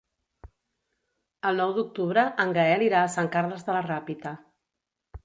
El nou d'octubre en Gaël irà a Sant Carles de la Ràpita.